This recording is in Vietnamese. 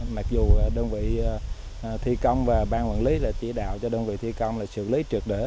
mặc dù đơn vị thi công và bang quản lý đã chỉ đạo cho đơn vị thi công xử lý trực đỡ